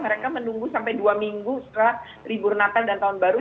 setelah ribu renatan dan tahun baru